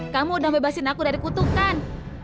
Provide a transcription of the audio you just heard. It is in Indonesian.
kamu sudah membebaskan aku dari kutukan